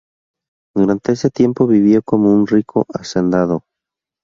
Durante ese tiempo vivió como un rico hacendado.